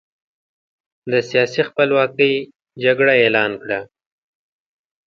د سیاسي خپلواکۍ جګړه اعلان کړه.